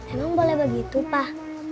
emang boleh begitu pak